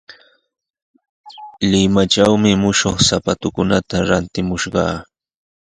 Limatrawmi mushuq sapatukunata rantimushqaa.